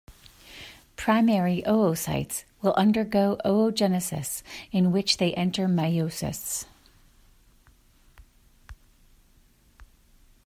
Primary oocytes will undergo oogenesis in which they enter meiosis.